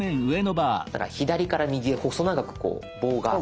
だから左から右へ細長く棒が。